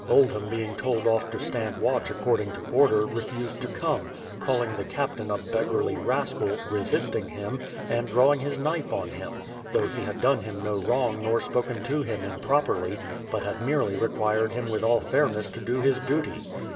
Oldham being told off to stand watch accord ing to order, refused to come, calling the captain a beggarly rascal, resisting him, and drawing his knife on him, though 148 BRADFORD'S HISTORY OP he had done him no wrong nor spoken to him improperly, but had merely required him with all fairness to do his duty.